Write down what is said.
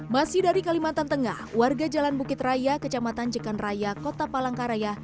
masih dari kalimantan tengah warga jalan bukit raya kecamatan jekan raya kota palangkaraya